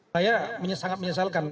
saya sangat menyesalkan